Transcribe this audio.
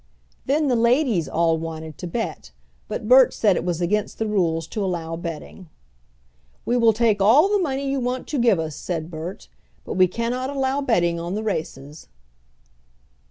Then the ladies all wanted to bet, but Bert said it was against the rules to allow betting. "We will take all the money you want to give us," said Bert, "but we cannot allow betting on the races."